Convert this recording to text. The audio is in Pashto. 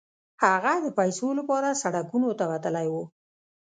هغه د پيسو لپاره سړکونو ته وتلی و.